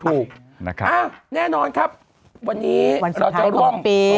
ถูกนะครับอ้าวแน่นอนครับวันนี้เราจะล่วงวันสุดท้ายปี